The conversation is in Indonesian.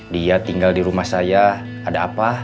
dia tinggal di rumah saya ada apa